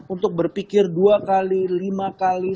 untuk berpikir dua kali lima kali